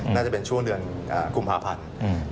น่าจะเป็นช่วงเดือนกุมภาพันธ์